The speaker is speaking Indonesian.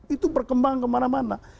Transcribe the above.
itu berkembang kemana mana